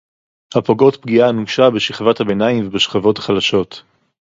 הפוגעות פגיעה אנושה בשכבת הביניים ובשכבות החלשות